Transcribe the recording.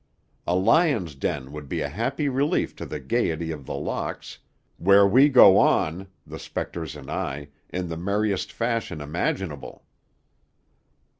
A lion's den would be a happy relief to the gayety of The Locks, where we go on the spectres and I in the merriest fashion imaginable."